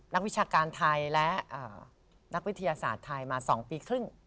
วิชาการไทยและนักวิทยาศาสตร์ไทยมา๒ปีครึ่ง